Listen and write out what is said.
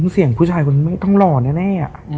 เสียงผู้ชายมันไม่ต้องหล่อแน่